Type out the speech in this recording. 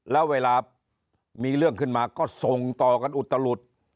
แล้วเวลามีเรื่องขึ้นมาก็ส่งต่อกันอุตลุด